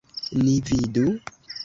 Ni vidu?